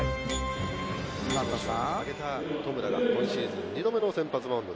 「戸村が今シーズン二度目の先発マウンドです」